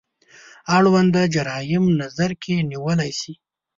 اړونده جرايم نظر کې ونیول شي.